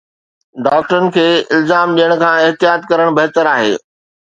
ڊاڪٽرن کي الزام ڏيڻ کان احتياط ڪرڻ بهتر آهي